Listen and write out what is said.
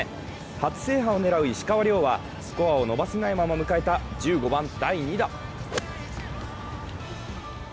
初制覇を狙う石川遼は、スコアを伸ばせないまま迎えた１５番、第２打。